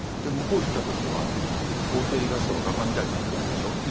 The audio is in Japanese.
向こう行った時は法廷イラストの画家みたいになってるわけでしょ？